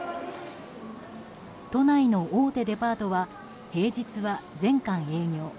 都内の大手デパートは平日は全館営業。